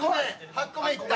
８個目いった。